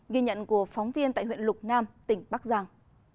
ghi nhận của phóng viên tại huyện lục nam tỉnh bắc giang